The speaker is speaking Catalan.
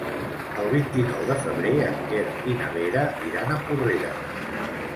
El vint-i-nou de febrer en Quer i na Vera iran a Porreres.